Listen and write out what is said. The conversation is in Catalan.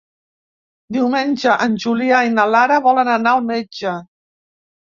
Diumenge en Julià i na Lara volen anar al metge.